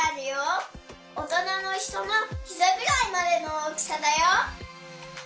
おとなのひとのひざぐらいまでの大きさだよ。